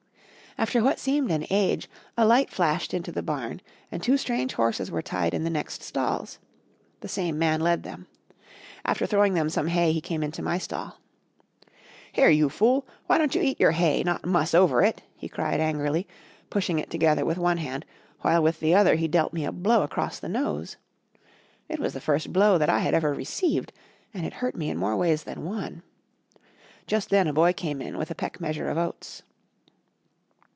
After what seemed an age, a light flashed into the barn and two strange horses were tied in the next stalls. The same man led them. After throwing them some hay he came into my stall. "Here, you fool, why don't you eat your hay, not muss over it?" he cried angrily, pushing it together with one hand while with the other he dealt me a blow across the nose. It was the first blow that I had ever received, and it hurt me in more ways than one. Just then a boy came in with a peck measure of oats.